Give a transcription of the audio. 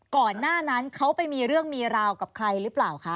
ก่อนหน้านั้นเขาไปมีเรื่องมีราวกับใครหรือเปล่าคะ